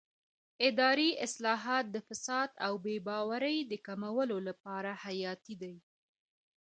اداري اصلاحات د فساد او بې باورۍ د کمولو لپاره حیاتي دي